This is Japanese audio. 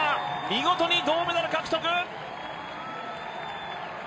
見事に銅メダル獲得！